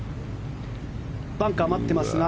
バンカー待ってますが。